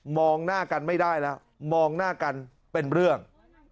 หน้ากันไม่ได้แล้วมองหน้ากันเป็นเรื่อง